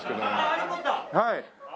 はい。